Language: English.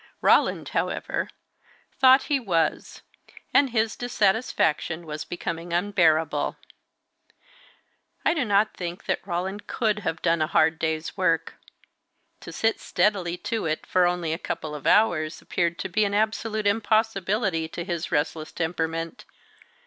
Roland, however, thought he was, and his dissatisfaction was becoming unbearable. I do not think that Roland could have done a hard day's work. To sit steadily to it for only a couple of hours appeared to be an absolute impossibility to his restless temperament.